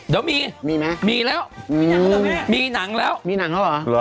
เดี๋ยวมีมีแล้วมีหนังแล้วแม่มีหนังแล้วมีหนังแล้ว